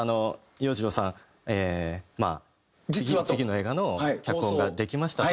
洋次郎さんまあ次の映画の脚本ができましたと。